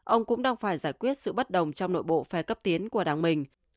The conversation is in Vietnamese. ông cũng đang phải giải quyết sự bất đồng trong nội bộ phe cấp tiến của đảng mình